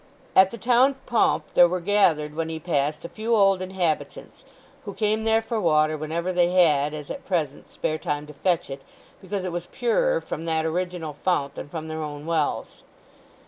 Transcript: At the town pump there were gathered when he passed a few old inhabitants, who came there for water whenever they had, as at present, spare time to fetch it, because it was purer from that original fount than from their own wells.